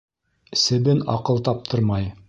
Себен аҡыл таптырмай...